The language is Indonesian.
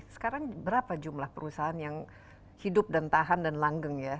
sekarang berapa jumlah perusahaan yang hidup dan tahan dan langgeng ya